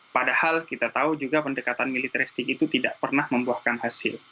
padahal kita tahu juga pendekatan militeristik itu tidak pernah membuahkan hasil